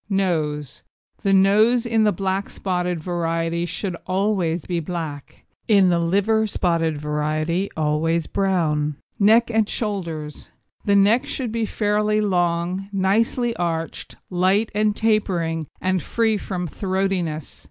NOSE The nose in the black spotted variety should always be black, in the liver spotted variety always brown. NECK AND SHOULDERS The neck should be fairly long, nicely arched, light and tapering, and entirely free from throatiness.